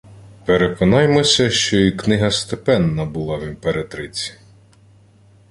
Переконаймося, що і «Книга степенна…» була в імператриці: